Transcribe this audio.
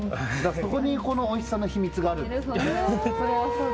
そこにこのおいしさの秘密がそれはそうですよね。